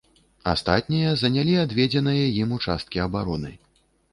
Астатнія занялі адведзеныя ім участкі абароны.